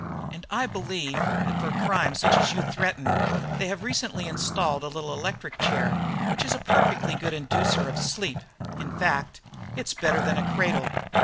And I believe that for a crime such as you threaten, they have recently installed a little electric chair which is a perfectly good inducer of sleep in fact, it is better than a cradle.